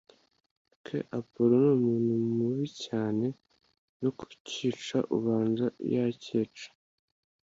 k, appolo numuntu mubi cyane no kukica ubanza yakica!